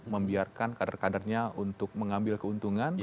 membiarkan kader kadernya untuk mengambil keuntungan